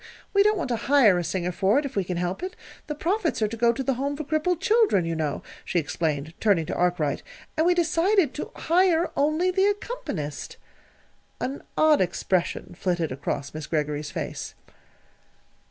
We don't want to hire a singer for it, if we can help it. The profits are to go to the Home for Crippled Children, you know," she explained, turning to Arkwright, "and we decided to hire only the accompanist." An odd expression flitted across Miss Greggory's face.